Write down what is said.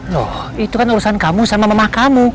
loh itu kan urusan kamu sama mama kamu